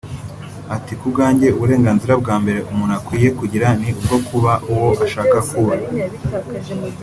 Ati “Ku bwanjye uburenganzira bwa mbere umuntu akwiye kugira ni ubwo kuba uwo ashaka kuba